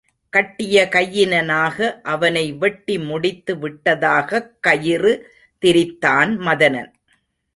கட்டிய கையினனாக அவனை வெட்டி முடித்து விட்டதாகக் கயிறு திரித்தான் மதனன்.